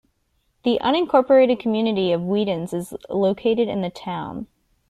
The unincorporated community of Weedens is located in the town.